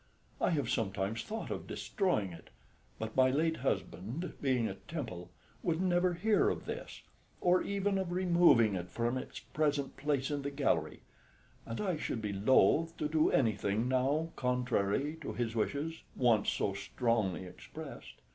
I have sometimes thought of destroying it; but my late husband, being a Temple, would never hear of this, or even of removing it from its present place in the gallery; and I should be loath to do anything now contrary to his wishes, once so strongly expressed.